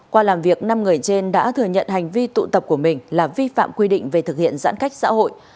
qua làm việc năm người trên đã thừa nhận hành vi tụ tập của mình là vi phạm quy định về thực hiện giãn cách xã hội